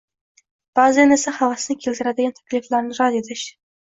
baʼzan esa havasni keltiradigan takliflarni rad etish